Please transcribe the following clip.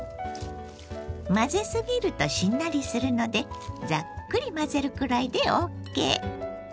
混ぜすぎるとしんなりするのでザックリ混ぜるくらいでＯＫ。